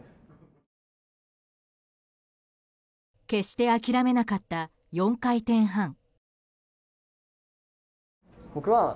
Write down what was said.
決して諦めなかった４回転半。